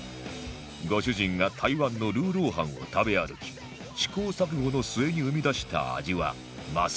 ご主人が台湾のルーロー飯を食べ歩き試行錯誤の末に生み出した味はまさに本格派